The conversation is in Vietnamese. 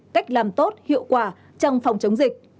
cách làm tốt hiệu quả trong phòng chống dịch